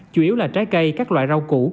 chủ yếu là trái cây các loại rau củ